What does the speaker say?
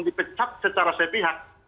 dipecat secara sepihak